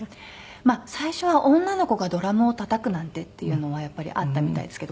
まあ最初は女の子がドラムをたたくなんてっていうのはやっぱりあったみたいですけど。